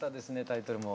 タイトルも。